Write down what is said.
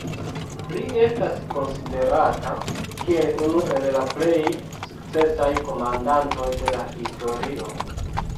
Li estas konsiderata kiel unu el la plej sukcesaj komandantoj de la historio.